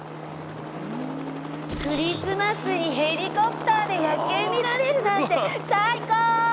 クリスマスにヘリコプターで夜景見られるなんて最高！